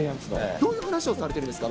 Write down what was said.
どんな話をされてるんですか？